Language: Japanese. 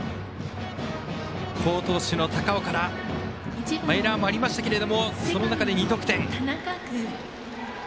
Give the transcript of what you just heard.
好投手の高尾からエラーもありましたけれどもその中で２得点。